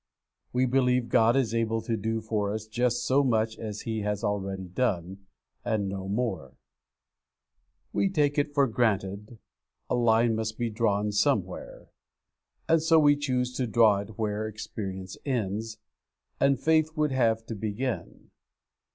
We believe God is able to do for us just so much as He has already done, and no more. We take it for granted a line must be drawn somewhere; and so we choose to draw it where experience ends, and faith would have to begin.